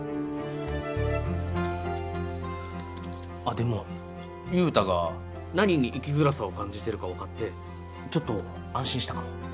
でも優太が何に生きづらさを感じてるかわかってちょっと安心したかも。